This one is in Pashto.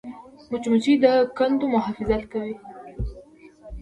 مچمچۍ د کندو محافظت کوي